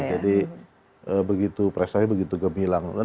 begitu prestasi begitu gemilang